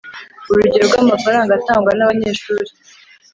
urugero rw amafaranga atangwa n abanyeshuri